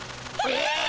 え！